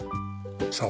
そう。